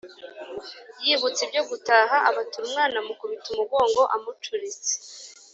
yibutse ibyo gutaha abatura umwana amukubita umugongo amucuritse.